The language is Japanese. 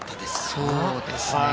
そうですね。